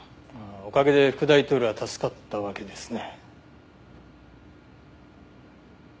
おかげで副大統領は助かったわけですね。